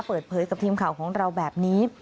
เปิดเผยกับทีมข่าวของเราแบบนี้